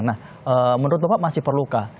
nah menurut bapak masih perlu kah